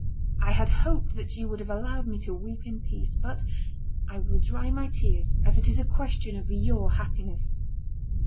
I had hoped that you would have allowed me to weep in peace, but I will dry my tears, as it is a question of your happiness."